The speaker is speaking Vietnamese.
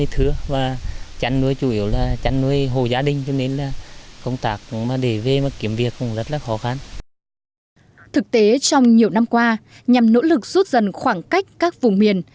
thực tế trong nhiều năm qua nhằm nỗ lực rút dần khoảng cách các vùng miền